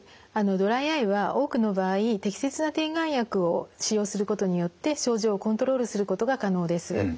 ドライアイは多くの場合適切な点眼薬を使用することによって症状をコントロールすることが可能です。